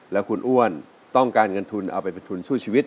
แล้วคุณอ้วนต้องการเงินทุนเอาไปเป็นทุนสู้ชีวิต